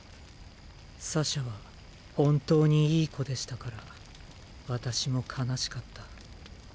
サシャは本当にいい娘でしたから私も悲しかった。